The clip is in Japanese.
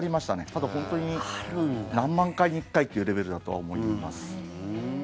ただ、本当に何万回に１回というレベルだとは思います。